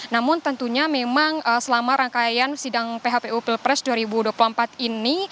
namun tentunya memang selama rangkaian sidang phpu pilpres dua ribu dua puluh empat ini